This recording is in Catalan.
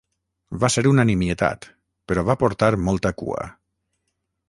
Va ser una nimietat, però va portar molta cua.